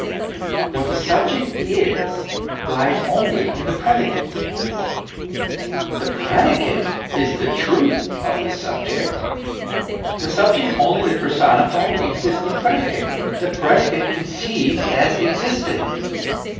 What the subject is, lies only in the predicate; the predicate is the truth of the subject the subject only the personified, existing predi cate, the predicate conceived as existing.